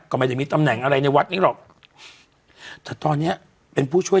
ก็ไม่ได้มีตำแหน่งอะไรในวัดนี้หรอกแต่ตอนเนี้ยเป็นผู้ช่วย